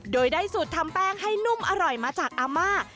โดยได้สูตรทำแป้งให้นุ่มอร่อยมาจากอาม่า